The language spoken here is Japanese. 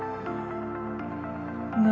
何？